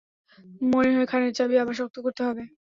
মনেহয় খানের চাবি আবার শক্ত করতে হবে।